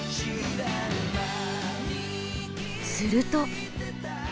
すると。